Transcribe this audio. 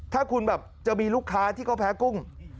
ถ้าคุณแบบจะมีลูกค้าที่เขาแพ้กุ้ง